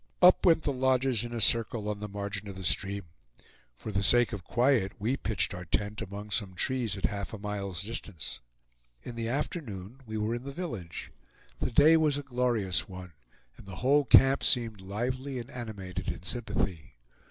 Up went the lodges in a circle on the margin of the stream. For the sake of quiet we pitched our tent among some trees at half a mile's distance. In the afternoon we were in the village. The day was a glorious one, and the whole camp seemed lively and animated in sympathy.